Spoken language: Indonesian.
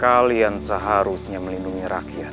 kalian seharusnya melindungi rakyat